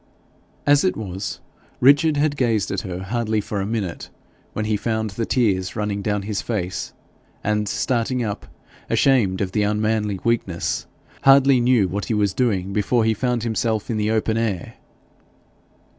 As it was, Richard had gazed at her hardly for a minute when he found the tears running down his face, and starting up, ashamed of the unmanly weakness, hardly knew what he was doing before he found himself in the open air.